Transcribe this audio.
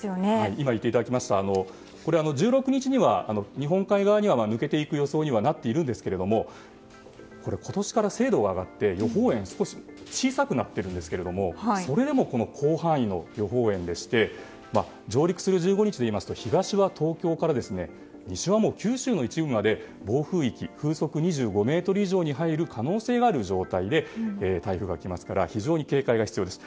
今言っていただきましたとおり１６日には日本海側には抜けていく予想にはなっているんですが今年から精度が上がって予報円が小さくなっているんですがそれでも広範囲の予報円でして上陸する１５日でいいますと東は東京から西は九州の一部まで暴風域風速２５メートル以上に入る可能性がある状態で台風が来ますから非常に警戒が必要です。